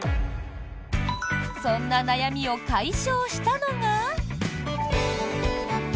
そんな悩みを解消したのが。